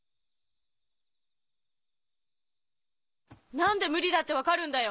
何で無理だって分かるんだよ？